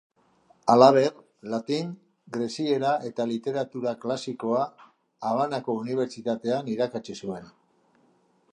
Halaber, latin, greziera eta literatura klasikoa Habanako Unibertsitatean irakatsi zuen.